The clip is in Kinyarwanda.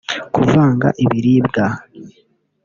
Kuvanga ibiribwa